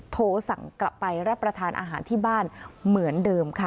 โทรสั่งกลับไปรับประทานอาหารที่บ้านเหมือนเดิมค่ะ